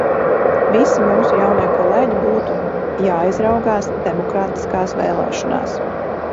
Visi mūsu jaunie kolēģi būtu jāizraugās demokrātiskās vēlēšanās.